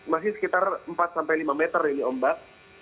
masih sekitar empat sampai lima meter ini ombak